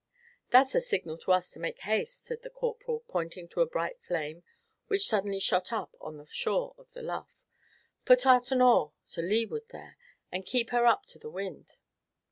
"That's a signal to us to make haste," said the Corporal, pointing to a bright flame which suddenly shot up on the shore of the lough. "Put out an oar to leeward there, and keep her up to the wind."